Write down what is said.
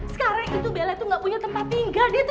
sekarang itu bella tuh gak punya tempat tinggal